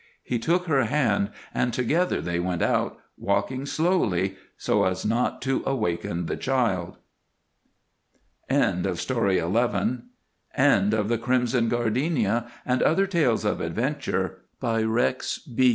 He took her hand and together they went out, walking slowly so as not to awaken the child. THE END Books by REX BEACH THE CRIMSON GARDENIA AND OTHER TALES OF ADVENTURE. HEART OF THE SUNSET.